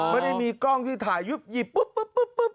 ไม่ได้มีกล้องที่ถ่ายยุบหยิบปุ๊บ